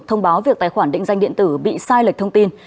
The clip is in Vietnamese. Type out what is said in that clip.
thông báo việc tài khoản định danh điện tử bị sai lệch thông tin